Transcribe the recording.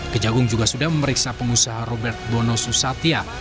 kejagung juga sudah memeriksa pengusaha robert bono susatya